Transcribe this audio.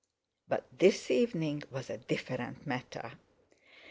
But this evening was a different matter!